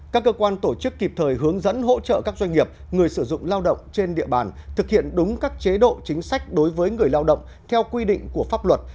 các cơ quan tổ chức kịp thời hướng dẫn hỗ trợ các doanh nghiệp người sử dụng lao động trên địa bàn thực hiện đúng các chế độ chính sách đối với người lao động theo quy định của pháp luật